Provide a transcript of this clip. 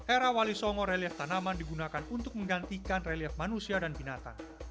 era wali songo relief tanaman digunakan untuk menggantikan relief manusia dan binatang